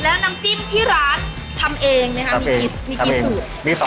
แล้วน้ำจิ้มที่ร้านทำเองไหมคะมีกี่สูตร